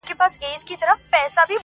زۀ بۀ خپل كور كې خوګېدمه ما بۀ چغې كړلې.